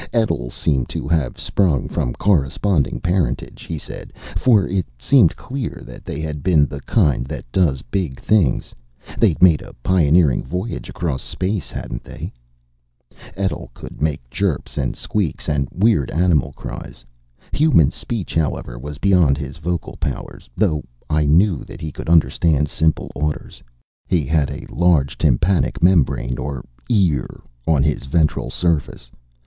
Etl seemed to have sprung from corresponding parentage, he said, for it seemed clear that they had been of the kind that does big things. They'd made a pioneering voyage across space, hadn't they? Etl could make chirps and squeaks and weird animal cries. Human speech, however, was beyond his vocal powers, though I knew that he could understand simple orders. He had a large tympanic membrane or "ear" on his ventral surface.